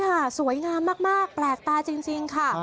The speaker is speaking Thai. สวยงามมากแปลกตาจริงค่ะ